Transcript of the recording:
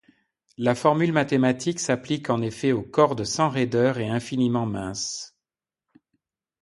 La formule mathématique s'applique en effet aux cordes sans raideur et infiniment minces.